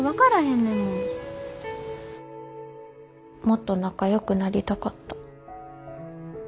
もっと仲よくなりたかった。